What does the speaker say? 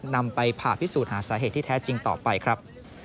นำไปผ่าพิสูจน์หาสาเหตุที่แท้จริงต่อไปครับ